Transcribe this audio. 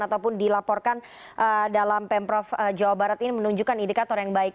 ataupun dilaporkan dalam pemprov jawa barat ini menunjukkan indikator yang baik